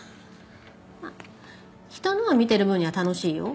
まあ人のを見てる分には楽しいよ。